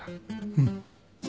うん。